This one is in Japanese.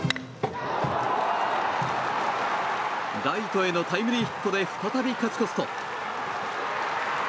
ライトへのタイムリーヒットで再び勝ち越すと。